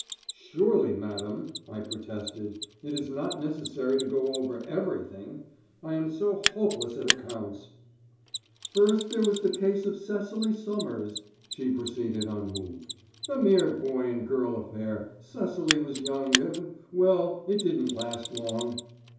"Surely, Madam," I protested, "it is not necessary to go over everything. I am so hopeless at accounts." "First there was the case of Cecily Somers," she proceeded unmoved. "A mere boy and girl affair. Cecily was young, and—well, it didn't last long."